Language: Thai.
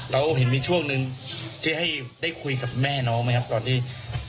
เราเห็นมีช่วงหนึ่งที่ให้ได้คุยกับแม่น้องไหมครับตอนที่